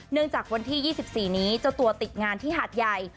จากวันที่๒๔นี้เจ้าตัวติดงานที่หาดใหญ่